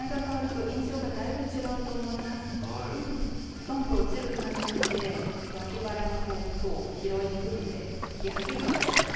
ストンと落ちる感じなのでわき腹の肉を拾いにくくて着やすいと思います。